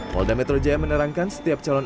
polda metro jaya menerangkan setiap calon